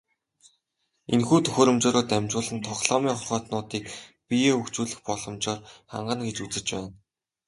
Энэхүү төхөөрөмжөөрөө дамжуулан тоглоомын хорхойтнуудыг биеэ хөгжүүлэх боломжоор хангана гэж үзэж байна.